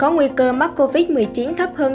có nguy cơ mắc covid một mươi chín thấp hơn